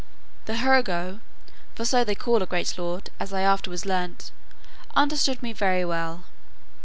The hurgo (for so they call a great lord, as I afterwards learnt) understood me very well.